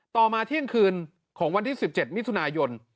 มาเที่ยงคืนของวันที่๑๗มิถุนายน